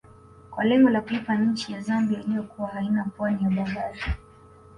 Kwa lengo la kuipa nchi ya Zambia iliyokuwa haina pwani ya bahari